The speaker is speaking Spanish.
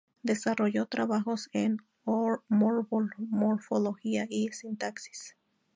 Desarrolló trabajos en morfología y sintaxis.